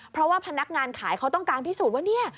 เพราะว่าพนักงานขายเขาต้องการพิสูจน์ว่าเนี่ย